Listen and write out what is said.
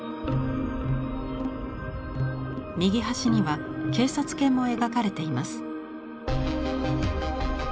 右端には警察犬も描かれています。